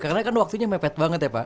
karena kan waktunya mepet banget ya pak